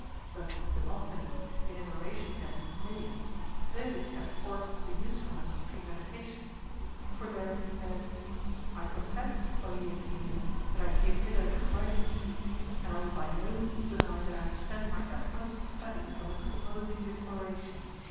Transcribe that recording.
But Demosthenes, in his oration against Midias, clearly sets forth the usefulness of premeditation. For there he says :" I confess, Ο ye Athenians ! that I came hither provided to speak ; and I will by no means deny that I have spent my utmost study upon the composing this oration.